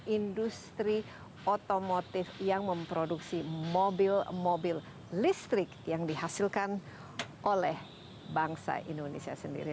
industri otomotif yang memproduksi mobil mobil listrik yang dihasilkan oleh bangsa indonesia sendiri